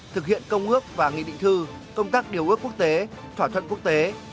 thực hiện công ước và nghị định thư công tác điều ước quốc tế thỏa thuận quốc tế